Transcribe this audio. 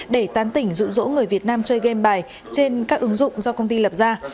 để tán tỉnh dụ dỗ người việt nam chơi game bài trên các ứng dụng do công ty lập ra